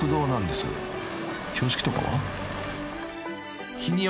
［標識とかは？］